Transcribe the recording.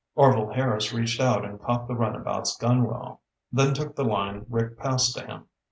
Orvil Harris reached out and caught the runabout's gunwale, then took the line Rick passed to him.